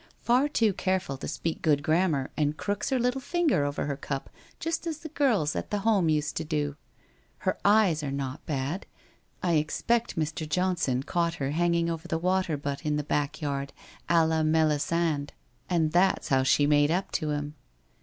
Far too careful to speak good grammar and crooks her little finger over her cup just as the girls at the Home used to do ! Her eyes are not bad. I expect Mr. Johnson caught her hanging over the water butt in the back yard a la Melisande and that's how she made up to him